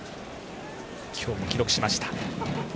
今日も記録しました。